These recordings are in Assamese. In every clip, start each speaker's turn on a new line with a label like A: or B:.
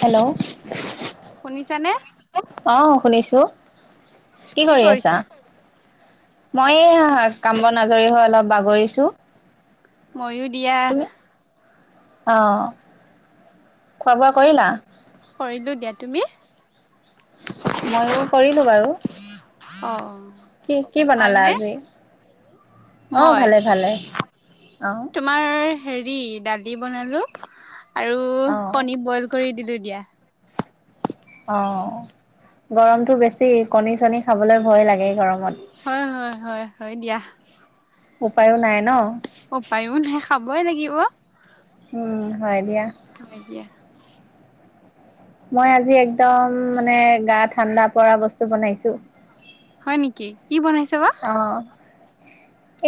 A: হেল্ল'
B: শুনিছানে
A: কোনে কৈ আহ শুনিছো কি কৰি আছা মইে কাম্ব আজৰি হৈ অলপ বাগৰিছো
B: ময়ো দিয়া
A: তুমি অ খোৱা বোৱা কৰিলা
B: কৰিলো দিয়া তুমি
A: ময়ো কৰিলো বাৰু
B: অ
A: কি কি বনালা
B: ভালনে
A: আজি অ
B: মই
A: ভালে ভালে অ
B: তোমাৰ হেৰি দালি বনালো আৰু
A: অ
B: কণী বইল কৰি দিলো দিয়া
A: অ গৰমটো বেছি কণী চনি খাবলৈ ভয় লাগে এই গৰমত
B: হয় হয় হয় হয় দিয়া
A: উপায়ো নাই ন
B: অ উপায়ো নাই খাবই লাগিব
A: উম হয় দিয়া
B: হয় দিয়া
A: মই আজি একদম মানে গা ঠাণ্ডা পৰা বস্তু বনাইছো
B: হয় নেকি কি বনাইছে বা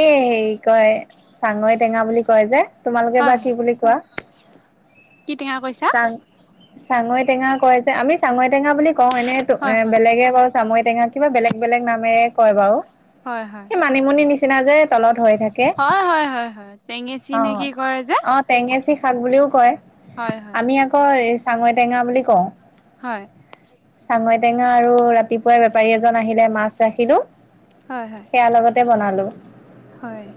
A: এ হেৰি কয় চাঙৈ টেঙা বুলি কয় যে তোমালোকে বা
B: হয়
A: কি
B: হয়
A: বুলি কোৱা
B: কি টেঙা কৈছা
A: চাং চাঙৈ টেঙা কয় যে আমি চাঙৈ টেঙা বুলি কওঁ এনেতো এ
B: হয় হয়
A: বেলেগে ক চামৰি টেঙা কিবা বেলেগ বেলেগ নামে কয় বাৰু
B: হয় হয়
A: সেই মানিমুনি নিচিনা যে তলত হৈ থাকে
B: হয় হয় হয় হয় টেঙেচি
A: অ
B: নে কি কৰে যে
A: অ টেঙেচি শাক বুলিও কয়
B: হয় হয়
A: আমি আকৌ এই চাঙৈ টেঙা বুলি কওঁ
B: হয়
A: চাঙৈ টেঙা আৰু ৰাতিপুৱাই বেপাৰী এজন আহিলে মাছ ৰাখিলো
B: হয় হয়
A: সেয়া লগতে বনালো
B: হয়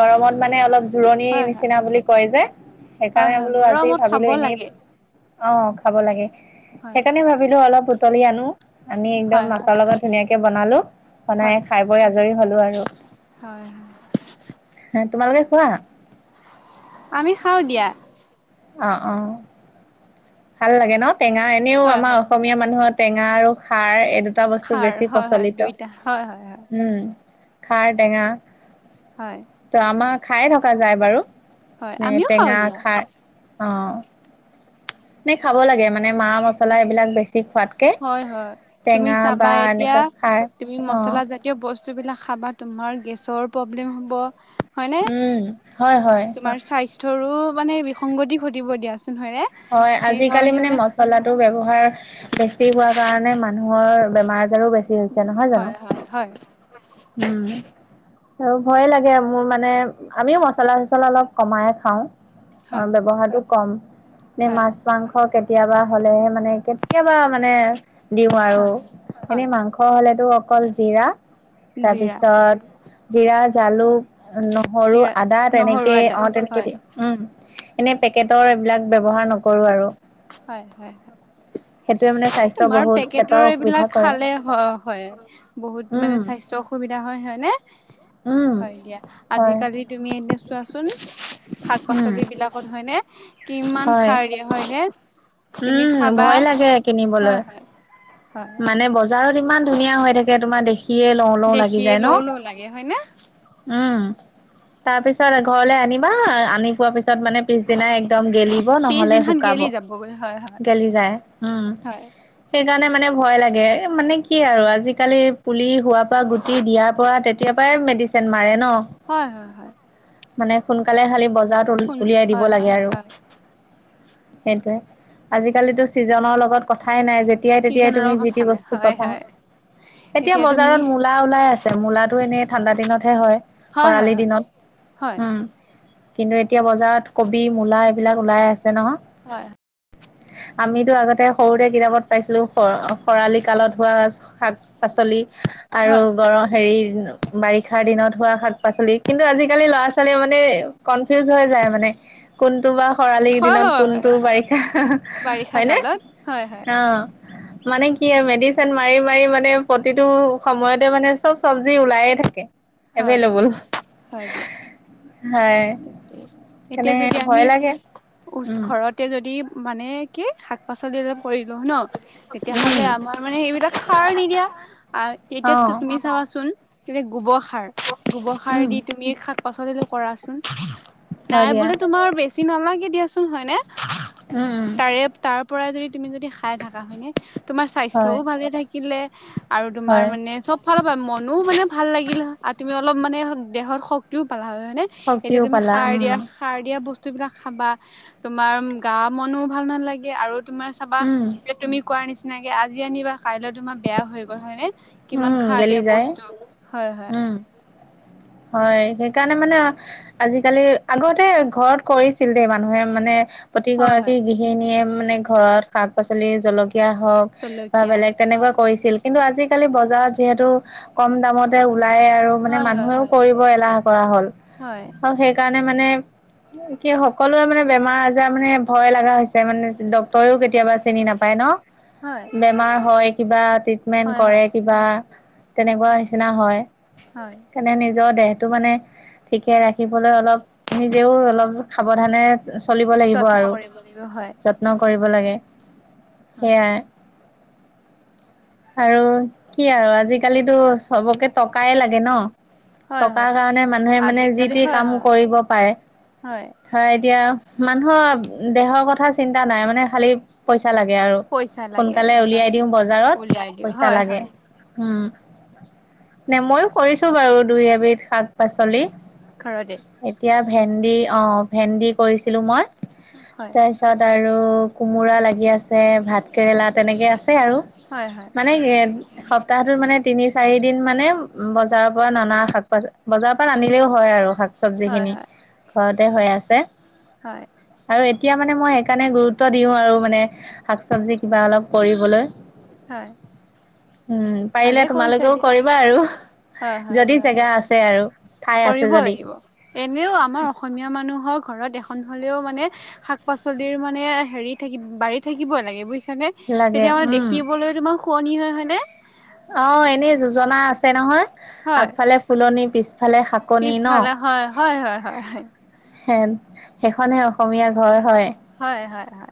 A: গৰমত মানে অলপ জোৰণিৰ
B: হয় হয়
A: নিচিনা বুলি কয় যে
B: হয়
A: সেইকাৰণে
B: হয়
A: বোলো আজি
B: গৰমত
A: ভাবিলো
B: খাব
A: এনেই
B: লাগে
A: অ খাব লাগে
B: হয়
A: সেইকাৰণে ভাবিলো অলপ বুতলি আনো আমি
B: হয়
A: একদম
B: হয়
A: মাছৰ লগত ধুনীয়াকে বনালো
B: হয়
A: বনাই খাই বৈ আজৰি হলো আৰু
B: হয় হয়
A: হ তোমালোকে খোৱা
B: আমি খাওঁ দিয়া
A: অ অ ভাল লাগে ন টেঙা এনেও
B: হয়
A: আমাৰ
B: হয়
A: অসমীয়া মানুহত টেঙা আৰু খাৰ এই দুটা বস্তু
B: খাৰ
A: বেছি
B: হয় হয়
A: প্ৰচলিত
B: দুইটা হয় হয় হয়
A: হুম খাৰ টেঙা
B: হয়
A: ত আমাৰ খায়ে থকা যায় বাৰু
B: হয়
A: ন
B: আমিও খাওঁ
A: টেঙা
B: দিয়া
A: খাই অ নে খাব লাগে মানে মা মছলা এইবিলাক বেছি খোৱাতকে
B: হয় হয় তুমি
A: টেঙা
B: চাবা
A: বা
B: এতিয়া
A: এনেকুৱা খাৰ
B: তুমি
A: অ',
B: মচলা জাতীয় বস্তু বিলাক খাবা তোমাৰ গেছৰ প্ৰব্লেম হ'ব হয়নে
A: উম, হয় হয়।
B: তোমাৰ স্বাস্থ্যৰো মানে বিসংগতি ঘটিব দিয়াচ
A: হয় আজিকালি মানে মচলা টো ব্যৱ হাৰ বেছি হোৱা কাৰণে মানুহৰ বেমাৰ আ জাৰো বেছি হৈছে নহয় জানো
B: হয় হয় হয়
A: উম আৰু ভয়ে লাগে মোৰ মানে আমিও মচলা চচলা অলপ কমাই খাও অ
B: হয়
A: ব্যৱহাৰটো কম নে
B: হয়
A: মাছ মাংস কেতিয়াবা হ'লেহে মানে কেতিয়াবা মানে দিও আৰু
B: হয় হয়
A: এনেই মাংস হ'লেতো অকল জিৰা
B: জিৰা
A: তাৰপিছত জিৰা জালুক নহৰু
B: জিৰা
A: আদা
B: নহৰু
A: তেনেকে
B: আদা
A: অ তেনেকে
B: হয়
A: দি উম এনে পেকেটৰ এইবিলাক ব্যৱহাৰ নকৰো আৰু
B: হয় হয়
A: সেইটোৱে মানে স্বাস্থ্য
B: তোমাৰ
A: বহুত পেটৰ
B: পেকেটৰ
A: অসুবিধা
B: এইবিলাক
A: কৰে
B: খালে হয় হয় বহুত মানে
A: উম
B: স্বাস্থ্যৰ অসুবিধা হয় হয় ন
A: উম
B: হয় দিয়া
A: হয়
B: আজিকালি তুমি এতিয়া চোৱাচোন শাক
A: উম
B: পাচলি বিলাকত হয়নে কিমান
A: হয়
B: খাৰ দিয়া হয় নে
A: উম ভয় লাগে
B: হয়
A: কিনিবলৈ
B: হয় হয়
A: মানে বজ বজাৰত ইমান ধুনীয়া হৈ থাকে তোমাৰ দেখি সিয়ে লওঁ লওঁ লাগি
B: দেখিয়ে
A: যায় ন
B: লও লও লাগে হয়নে
A: উম তাৰ পিছত ঘৰলে আনিবা আনি পোৱা পিছত মানে পিছদিনা একদম গেলিব নহলে
B: পিছদিনাখন
A: শুকাব
B: গেলি যাবগৈ হয় হয়
A: গেলি যায় উম সেইকাৰণে মানে ভয় লাগে মানে কি আৰু আজিকালি পুলি হোৱাৰ পৰা গুটি দিয়াৰ পৰা তেতিয় পৰাই মেডিিন মাৰেে
B: হয় হয় হয়
A: মানে সোনকালে খালি বজাৰত
B: শুন
A: উলিয়াই দিব
B: হয়
A: লাগে
B: হয়
A: আৰু
B: হয়
A: সেইটোৱে আজিকালিতো ছিজনৰ লগত কথাই নাই যেতিয়াই তেতিয়াই তুমি
B: ছিজনৰৰ
A: যি
B: কথা
A: টি
B: নাই
A: বস্তু
B: হয়
A: পাবা
B: হয়
A: এতিয়া বজাৰত মূলা ওলাই আছে তে মূলাটো এনেই ঠাণ্ডা দিনতহে হয়
B: হয় হয়
A: খৰালি
B: হয়
A: দিনত
B: হয়
A: উম কিন্তু এতিয়া বজাৰত কবি মূলা এইবিলাক ওলাই আছে ন
B: [unintelligible]
A: আমিতো আগতে সৰুতে কিতাপত পাইছিলো খৰা--খৰালি কালত হোৱা শাক পাচলি আৰু
B: হয়
A: গৰম হেৰি বাৰিষাৰ দিনত হোৱা শাক পাচলি কিন্তু আজিকালি ল'ৰা ছোৱালীও মানে কনফিউজ হৈ যায় মানে কোনটো বা খৰালিৰ
B: হয়
A: দিনত
B: হয় হয়
A: কোনটো বাৰিষা হয়নে অ
B: উ [unintelligible]
A: মানে কি মেডিচিন মাৰি মাৰি মানে প্ৰতিটো সময়তে মানে চব চবজি ওলায়ে থাকে
B: হয়
A: এভেইলেবল
B: হয় দিয়া
A: হয়
B: তাকেই এতিয়া
A: সেইকাৰণে
B: যদি আমি
A: ভয় লাগে।
B: ওচ
A: উম,
B: ঘৰতে যদি মানে কি শাক পাচলি অলপ কৰি লও ন
A: উম,
B: তেতিয়াহলে আমাৰ মানে সেইবিলাক খাৰ নিদিয়া এতিয়া
A: অ',
B: তুমি চাবাচোন কি গোবৰ সাৰ গোবৰ সাৰ
A: উম,
B: দি তুমি শাক পাচলিলৈ কৰা চোন
A: হয়
B: নাই
A: দিয়া
B: বোলে তোমাৰ বেছি নালাগে দিয়াচোন হয় নে
A: উম, উম,
B: তাৰে তাৰ পৰাই যদি তুমি যদি খাই থাকা হয় নে তোমাৰ
A: হয়।
B: স্বাস্থ্যও ভালে থাকিলে আৰু তোমাৰ
A: হয়
B: মানে চব ফালৰ পৰা মনো মানে ভাল লাগিল হয় আৰু তুমি অলপ মানে দেহৰ শক্তিও পালা হয় হয়নে এতিয়া
A: শক্তিও
B: তুমি
A: পালা
B: সাৰ
A: উম,
B: দিয়া সাৰ দিয়া বস্তু বস্তু বিলাক খাবা তোমাৰ গা মনো ভাল নালাগে আৰু তোমাৰ চাবা
A: উম,
B: এ তুমি কোৱাৰ নিচিনাকে আজি আনিবা কাইলৈ তোমাৰ বেয়া হৈ গ'ল হয় নে কিমান
A: উম,
B: খাৰ
A: গেলি
B: দিয়া
A: যায়
B: বস্তু হয় হয়
A: উম। হয় সেইকাৰণে মানে আজিকালি আগতে ঘৰত কৰিছিল দেই মানুহে মানে
B: হয় হয়
A: প্ৰতিগৰাকী গৃহিনীয়ে মানে ঘৰত শাক পাচলি জলক কীয়া হওক বা
B: জলকীয়া
A: বেলেগ তেনেকুৱা
B: হয়
A: কৰিছিল কিন্তু আজি কালি বজাৰত যিহেতু কম দামতে ওলাই আৰু মানে
B: হয় হয়
A: মানুহেও
B: হয়
A: কৰিব এলাহ কৰা হ'ল
B: হয়
A: আৰু সেইকাৰণে মানে কি সকলোৰে মানে বেমাৰ আজাৰ মানে ভয় লগা হৈছে মানে ড্ক্তৰেও কেতিয়াবা চিনি নাপায় ন
B: হয়
A: বেমাৰ হয় কিবা ট্ৰিটমেন্ট
B: হয়
A: কৰে
B: হয়
A: কিবা তেনেকুৱা নিচিনা হয়
B: হয়
A: তোমাৰ নিজৰ দেহ সেইটো মানে ঠিকে ৰাখিবলৈ অলপ নিজেও অলপ সাৱধানে চলিব লাগিব
B: যত্ন
A: আৰু
B: কৰিব লাগিব হয়
A: যত্ন কৰিব লাগে
B: হয়
A: সেয়াই আৰু কি আৰু আজিকালিতো চবকে টকাই লাগে ন
B: হয়
A: টকাৰ
B: হয়
A: কাৰণে মানুহে মানে যি
B: আজিকালি
A: টি
B: হয়
A: কাম
B: হয়
A: কৰিব পাৰে হয় এতিয়া মানুহৰ দেহৰ কথা চিন্তা নাই মানে খালি পইচা পইছা লাগে আৰু
B: পইচা লাগে আৰু
A: সোনকালে
B: হয়
A: উলিয়াই দিওঁ বজাৰত
B: উলিয়াই দিওঁ
A: পইচা
B: হয়
A: লাগে
B: হয়
A: উ নে ময়ো কৰিছো বাৰু দুই এবিধ শাক পাচলি
B: ঘৰতে
A: এতিয়া ভেন্দি অ ভেন্দি কৰিছিলো মই
B: হয়
A: তাৰপিছত আৰু কোমোৰা লাগি আছে ভাত কেৰেলা তেনেকে আছে ছে আৰু
B: হয় হয়
A: মানে সপ্তাহটো মানে তিনি চাৰি দিন মানে উম বজা বজাৰৰ পৰা ননা শাক পাচ বজাৰৰ পৰা নানিলেও হয় আৰু শাক চবজি
B: হয়
A: খিনি
B: হয়
A: ঘৰতে হৈ আছে
B: হয়
A: আৰু এতিয়া মানে মই সেইকাৰণে গুৰুত্ব দিও আৰু মানে শাক চবজি কিবা অলপ কৰিবলৈ
B: হয়
A: উম পাৰিলে
B: ভালেই কৰিছা
A: তোমালোকেও
B: দিয়া
A: কৰিবা আৰু
B: হয় হয়
A: যদি
B: হয়
A: জেগা আছে আৰু ঠাই আছে
B: কৰিব
A: যদি
B: লাগিব এনেও আমাৰ অসমীয়া মানুহৰ ঘৰত এখ খন হলেও মানে শাক পাচলিৰ মানে হেৰি থাকি বাৰী থাকিব লাগে বুইছ [unintelligible]
A: লাগে
B: তেতিয়া মানে
A: উম
B: দেখিবলৈ তোমাৰ শুৱনি হয় হয় নে?
A: অ', এনেই যোজনা আছে নহয়।
B: হয়
A: আগফালে ফুলনি পিছফালে শাকনি ন?
B: পিছফালে হয় হয় হয় হয় হয়
A: হে, সেইখনহে অসমীয়া ঘৰ হয়।
B: হয় হয় হয়।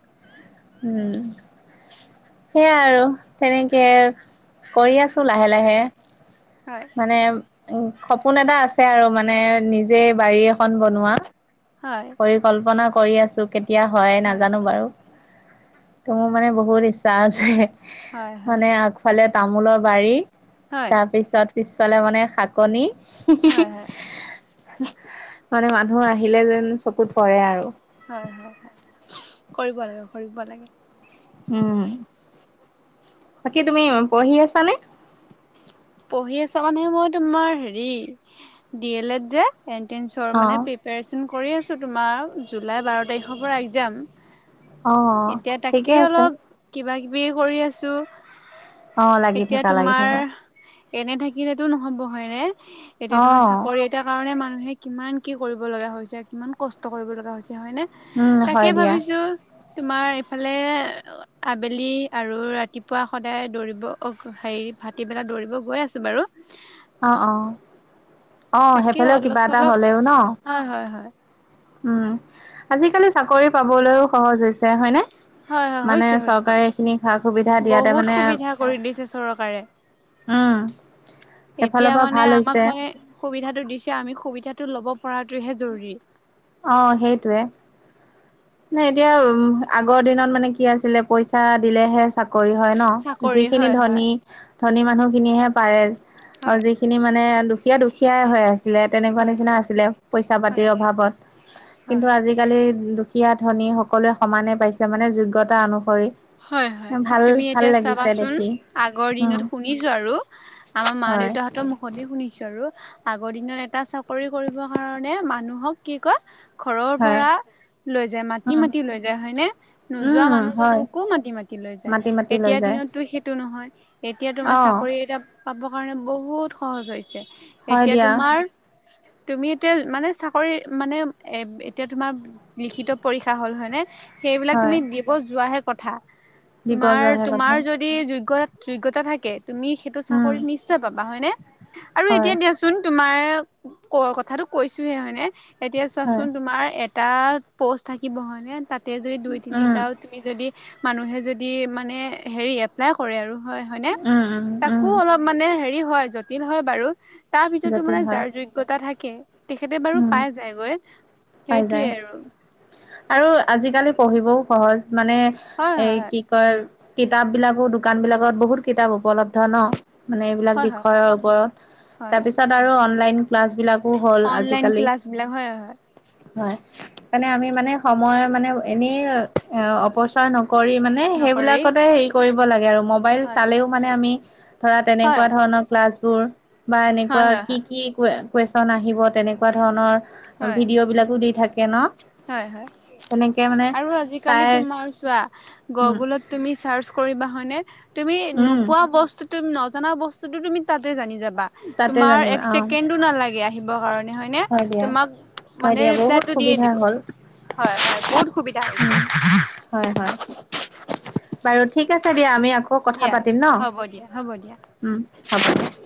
A: উম, সেইয়াই আৰু তেনেকে কৰি আছোঁ লাহে লাহে।
B: হয়
A: মানে উম, সপোন এটা আছে আৰু মানে নিজে বাৰী এখন বনোৱা।
B: হয়
A: পৰিকল্পনা কৰি আছো কেতিয়া হয় নাজানো বাৰু। ত মোৰ মানে বহুত ইচ্ছা আছে
B: হয় হয়
A: মানে আগফালে তামোলৰ বাৰী,
B: হয়
A: তাৰপিছত পিছফালে মানে শাকনি।
B: হয় হয়।
A: মানে মানুহ আহিলে যেন চকুত পৰে আৰু।
B: হয়, হয়, হয়, কৰিব লাগে কৰিব লাগে।
A: উম, বাকী তুমি পঢ়ি আছানে?
B: পঢ়ি আছা মানেহে মই তোমাৰ হেৰি, ডি এল এত যে এণ্ট্ৰেন্সৰ মানে
A: অ',
B: প্ৰিপাৰেচন কৰি আছো তোমাৰ জুলাই বাৰ তাৰিখৰ পৰা এক্সম।
A: অ',
B: এতিয়া
A: ঠিকে
B: তাকেই
A: আছে।
B: অলপ কিবা কিবি কৰি আছো।
A: অ', লাগি
B: এতিয়া
A: থাকা, লাগি
B: তোমাৰ
A: থাকা।
B: এনে থাকিলেতো নহব হয়নে এতিয়া তোমাৰ
A: অ',
B: চাকৰি এটাৰ কাৰণে মানুহে কিমান কি কৰিব লগা হৈছে, কিমান কষ্ট কৰিব লগা হৈছে হয়নে!
A: উম, হয়
B: তাকে
A: দিয়া।
B: ভাবিছো তোমাৰ এইফালে আবেলি আৰু ৰাতিপুৱা সদায় দৌৰিব, হেৰি ভাটিবেলা দৌৰিব গৈ আছো বাৰু।
A: অ', অ', অহ
B: তাকে
A: সেইফালেও
B: অলপ
A: কিবা এটা
B: চলপ
A: হলেও ন?
B: হয় হয় হয়
A: উম, আজিকালি চাকৰি পাবলৈও সহজ হৈছে হয় ন?
B: হয়, হয়, হৈছে, হৈছে,
A: সুবিধা দিয়াতে
B: বহুত
A: মানে
B: সুবিধা কৰি দিছে চৰকাৰে।
A: উম,
B: [inaudible]
A: সেইফালৰ
B: এতিয়া
A: পৰা ভাল
B: মানে আমাক
A: হৈছে।
B: মানে সুবিধাটো দিছে আমি সুবিধাটো লব পৰাটোহে জৰুৰী।
A: অ', সেইটোৱে। নে এতিয়া উ আগৰ দিনত মানে কি আছিলে পইচা দিলেহে চাকৰি হয় ন?
B: চাকৰি
A: যিখিনি
B: হয় হয়
A: ধনী ধনী মানুহখিনিহে পাৰে। অ',
B: হয়
A: যিখিনি মানে দুখীয়া দুখীয়াই হৈ আছে। ছিলে তেনেকুৱা
B: হয়
A: নিচিনা
B: হয়
A: আছিলে পইচা পাতিৰ
B: হয়
A: অভাৱত। কিন্তু
B: হয়
A: আজিকালি সীয়া ধনী সকলোৱে সমানে পাইছে মানে যোগ্যতা অনুসৰি।
B: হয়, হয়,
A: ভাল
B: তুমি
A: ভাল
B: এতিয়া
A: লাগিছে
B: চাবাচোন
A: দেখি।
B: আগৰ
A: উম
B: দিনত শুনিছো আৰু, আমাৰ মা
A: হয়
B: দেউতাহতৰ মুখনেই শুনিছো আৰু আগৰ দিনত এটা চাকৰি কৰিবৰ কাৰণে মানুহক কি কয় ঘৰৰ
A: হয়
B: পৰা লৈ যায় মাটি
A: উম।
B: মাটি লৈ যায় হয়নে? নোযোৱা
A: উম হয়
B: মানুহজনক ও মাতি লৈ যায়
A: মাতি মাতি লৈ
B: এতিয়া
A: যায়
B: দিনতো সেইটো নহয়, এতিয়া তোমাৰ
A: অ
B: চাকৰি এটা পাব কাৰণে বহুত সহজ হৈছে।
A: হয়
B: এতিয়া
A: দিয়া।
B: তোমাৰ তুমি এতিয়া মানে চাকৰি মানে এ এতিয়া তোমাৰ লিখিত পৰীক্ষা হল হয়নে? সেইবিলাক তুমি
A: হয়
B: দিব যোৱাহে কথা,
A: দিব
B: তোমাৰ
A: যোৱাহে
B: তোমাৰ
A: কথা
B: যদি যোগ্যত যোগ্যতা থাকে তুমি সেইটো
A: উম।
B: চাকৰিত নিশ্চয় পাবা হয়নে? আৰু
A: হয়
B: এতিয়া দিয়াচোন তোমাৰ ক কথাটো কৈছোহে হয়নেে এতিয়া
A: হয়
B: চোৱাচোন তোমাৰ এটা প'ষ্ট থাকিব হয়নে তাতে যদি দুই
A: উম
B: তিনিটাও তুমি যদি মানুহে যদি মানে হেৰি এপ্লাই কৰে আৰু হয় হয়নে!
A: উম উম উম
B: তাকো অলপ মানে হেৰি হয় জটিল হয় বাৰু। তাৰ ভিতৰতো মানে
A: জটিল হয়
B: যাৰ যোগ্যতা থাকে তেখেতে বাৰু
A: উম
B: পাই যায়গৈ,
A: পাই
B: সেইটোৱে
A: যায়
B: আৰু।
A: আৰু আজিকালি পঢ়িবও সহজ মানে
B: হয়
A: এ
B: হয়
A: কি কয় কিতাপ বিলাকো দোকান বিলাকত বহুত কিতাপ উপলব্ধ ন মানে এইবিলাক
B: হয় হয় হয়
A: বিষয়ৰ
B: হয়
A: ওপৰত
B: হয়
A: তাৰপিছত আৰু অনলাইন ক্লাছ বিলাকো হ'ল আজি
B: অনলন ক্লাছ বিলাক হয় হয়
A: হয় সেইকাৰণে আমি মানে সময় মানে এনেই অপচয় নক কৰি মানে
B: নকৰি
A: সেইবিলাকতে হেৰি কৰিব লাগে আৰু মবাইল
B: হয় হয়
A: চালেও মানে আমি ধৰা তেনেকুৱা
B: হয়
A: ধৰণৰ ক্লাছবোৰ বা
B: হয়
A: এনেকুৱা
B: হয়
A: কি কি ক কুৱেশচন আহিব তেনেকুৱা ধৰণৰ
B: হয় হয়
A: ভিডিঅ' বিলাকো দি থাকে ন
B: হয় হয়
A: তেনেকে মানে
B: আৰুজালি
A: চাই
B: ত
A: উম
B: গগ তুমি চাৰ্চ কৰিব হয় তুমি
A: উম
B: নোপোৱা বস্তু তুমি নজনা বস্তুতটো তুমি তাতে জানি যাবা
A: তাতে
B: তোমাৰ
A: জানিবা
B: এক
A: অ
B: ছেকেণ্ডো নালাগে আহিবৰ কাৰণে মানে
A: হয়
B: হয়নে
A: দিয়া
B: তোমাক
A: হয়
B: মানে
A: দিয়া বহুত
B: ৰিপ্লাইটো দিয়ে
A: সুবিধা
B: দিব
A: হ'ল
B: হয় হয় বহুত সুবিধা হৈছে
A: হয় হয় বাৰু ঠিক আছে দিয়া আমি আকৌ কথা
B: দিয়া
A: পাতিম ন
B: হ'ব দিয়া হ'ব দিয়া।
A: উম হ'ব